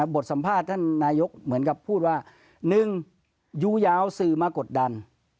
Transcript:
บทสัมภาษณ์ท่านนายกเหมือนกับพูดว่า๑ยูยาวสื่อมากดดัน